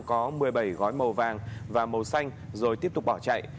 có một mươi bảy gói màu vàng và màu xanh rồi tiếp tục bỏ chạy